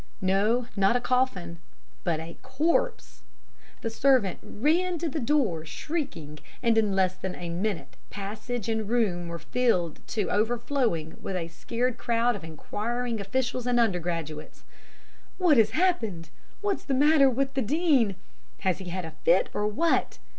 No, not a coffin, but a corpse! The servant ran to the door shrieking, and, in less than a minute, passage and room were filled to overflowing with a scared crowd of enquiring officials and undergraduates. "'What has happened? What's the matter with the Dean? Has he had a fit, or what?